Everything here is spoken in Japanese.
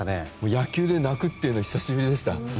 野球で泣くっていうのは久しぶりでした。